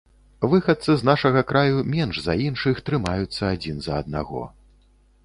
Выхадцы з нашага краю менш за іншых трымаюцца адзін за аднаго.